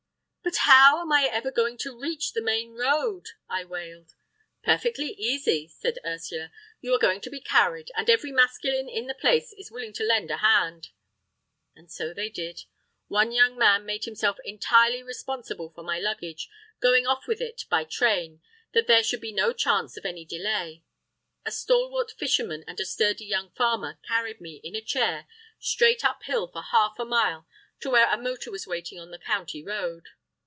"But how am I ever going to reach the main road!" I wailed. "Perfectly easy," said Ursula. "You are going to be carried, and every masculine in the place is willing to lend a hand." And so they did. One young man made himself entirely responsible for my luggage, going off with it by train, that there should be no chance of any delay. A stalwart fisherman and a sturdy young farmer carried me, in a chair, straight up hill for half a mile to where a motor was waiting on the county road.